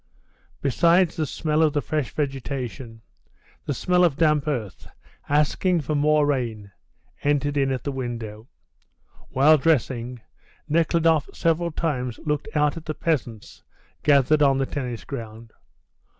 Besides the smell of the fresh vegetation, the smell of damp earth, asking for more rain, entered in at the window. While dressing, Nekhludoff several times looked out at the peasants gathered on the tennis ground.